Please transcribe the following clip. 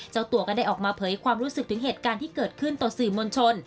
เจ้าตัวก็ได้ออกมาเผยความรู้สึกถึงเหตุการณ์ที่เกิดขึ้นต่อสื่อมวลชน